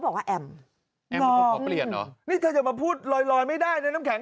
บอกว่าแอมขอเปลี่ยนหรอนี่จะมาพูดลอยไม่ได้ในน้ำแข็ง